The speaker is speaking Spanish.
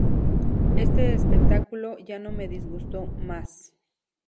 Este espectáculo ya no me disgustó más.